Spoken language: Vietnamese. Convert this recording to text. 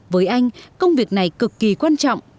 với anh công việc này cực kỳ quan trọng